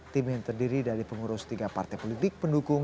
tim yang terdiri dari pengurus tiga partai politik pendukung